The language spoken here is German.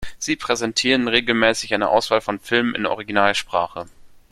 Sie präsentieren regelmäßig eine Auswahl von Filmen in Originalsprache.